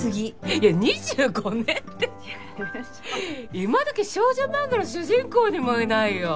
いや２５年って今どき少女漫画の主人公にもいないよ。